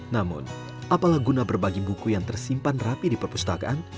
namun apalah guna berbagi buku yang tersimpan rapi di perpustakaan